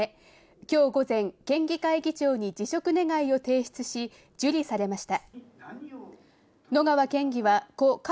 今日午前、県議会議長に辞職願を提出し、受理されました。